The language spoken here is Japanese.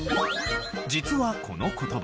実はこの言葉